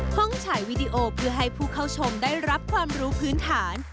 ฉายวีดีโอเพื่อให้ผู้เข้าชมได้รับความรู้พื้นฐาน